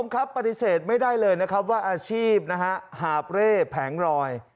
ครับปฏิเสธไม่ได้เลยนะครับว่าอาชีพนะฮะหาบเร่แผงรอย